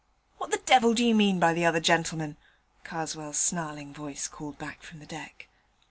'What the devil do you mean by the other gentleman?' Karswell's snarling voice called back from the deck.